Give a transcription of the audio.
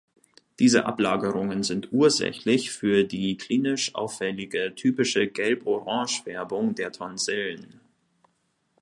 Diese Ablagerungen sind ursächlich für die klinisch auffällige typische Gelb-Orangefärbung der Tonsillen.